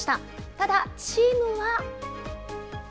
ただ、チームは。